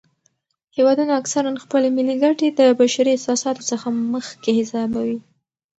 هیوادونه اکثراً خپلې ملي ګټې د بشري احساساتو څخه مخکې حسابوي.